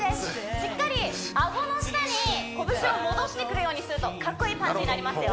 しっかり顎の下に拳を戻してくるようにするとかっこいいパンチになりますよ